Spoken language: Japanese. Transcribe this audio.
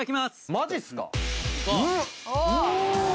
マジっすかうわ！